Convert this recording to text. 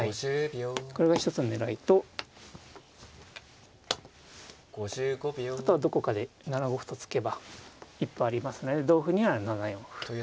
これが一つの狙いとあとはどこかで７五歩と突けば一歩ありますので同歩には７四歩。